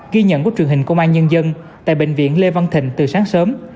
ghi nhận của truyền hình công an nhân dân tại bệnh viện lê văn thịnh từ sáng sớm